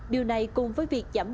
điều này cùng với việc giảm